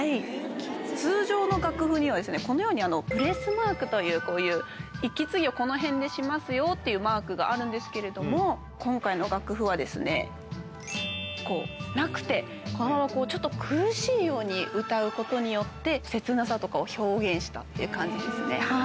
通常の楽譜には、このように、ブレスマークという、こういう、息継ぎをこの辺にしますよっていうマークがあるんですけれども、今回の楽譜はですね、こう、なくて、このままこう、ちょっと苦しいように歌うことによって、切なさとかを表現したっていう感じですね。